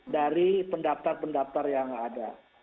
dari pendaptar pendaptar yang ada